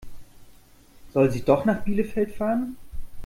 Soll sie doch nach Bielefeld fahren?